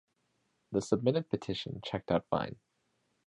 The submitted petition checked out fine.